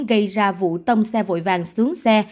gây ra vụ tông xe vội vàng xuống xe